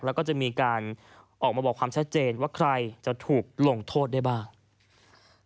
แล้วก็จะมีการออกมาบอกความชัดเจนว่าใครจะถูกลงโทษได้บ้าง